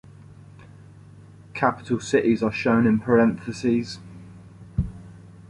Capital cities are shown in parentheses.